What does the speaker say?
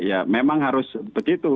ya memang harus begitu